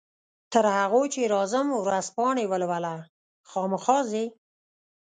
تر هغو چې راځم ورځپاڼې ولوله، خامخا ځې؟